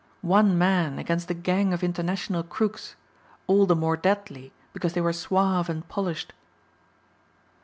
One man against a gang of international crooks, all the more deadly because they were suave and polished.